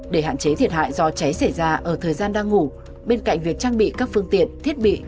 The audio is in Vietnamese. để hạn chế thiệt hại do cháy xảy ra ở thời gian đang ngủ bên cạnh việc trang bị các phương tiện thiết bị